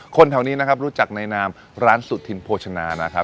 แถวนี้นะครับรู้จักในนามร้านสุธินโภชนานะครับ